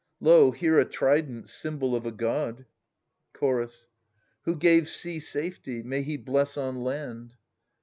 Lo, here a trident, symbol of a god. I/' Chorus. Who * gave sea safety ; may he bless on land